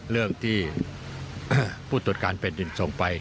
เรื่องที่ผู้ตรวจการเป็นหยุดส่งไป